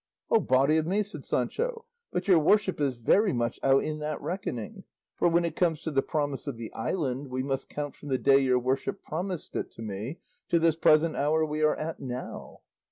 "O body o' me!" said Sancho, "but your worship is very much out in that reckoning; for when it comes to the promise of the island we must count from the day your worship promised it to me to this present hour we are at now."